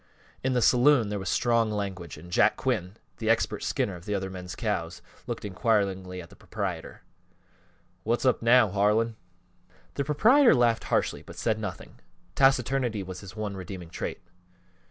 In the saloon there was strong language, and Jack Quinn, expert skinner of other men's cows, looked inquiringly at the proprietor. "What's up now, Harlan?" The proprietor laughed harshly but said nothing taciturnity was his one redeeming trait.